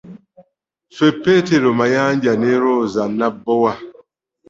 Ffe Petero Mayanja ne Roza Nabbowa.